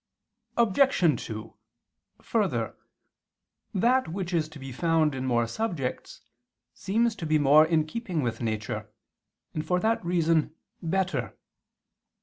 Obj. 2: Further, that which is to be found in more subjects seems to be more in keeping with nature, and, for that reason, better.